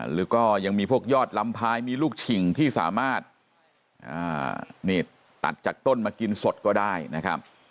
หรือก็ยังมีพวกยอดลำพายมีลูกฉิ่งที่สามารถตัดจากต้นมากินสดก็ได้นะครับ